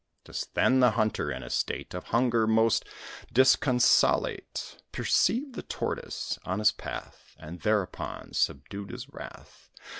Just then the hunter, in a state Of hunger most disconsolate, Perceived the Tortoise on his path, And, thereupon, subdued his wrath.